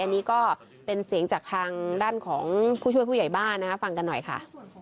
อันนี้ก็เป็นเสียงจากทางด้านของผู้ช่วยผู้ใหญ่บ้านนะคะฟังกันหน่อยค่ะ